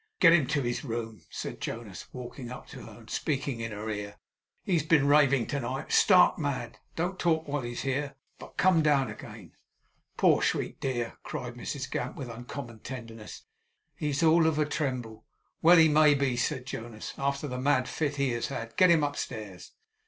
'Get him to his room,' said Jonas, walking up to her, and speaking in her ear. 'He has been raving to night stark mad. Don't talk while he's here, but come down again.' 'Poor sweet dear!' cried Mrs Gamp, with uncommon tenderness. 'He's all of a tremble.' 'Well he may be,' said Jonas, 'after the mad fit he has had. Get him upstairs.